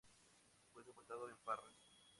Fue sepultado en Parras.